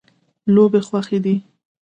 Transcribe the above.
لوبې خوښې دي.